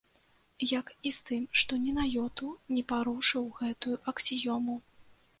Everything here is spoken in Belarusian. Як і з тым, што ні на ёту не парушыў гэтую аксіёму.